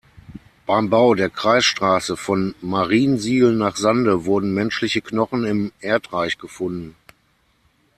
Beim Bau der Kreisstraße von Mariensiel nach Sande wurden menschliche Knochen im Erdreich gefunden.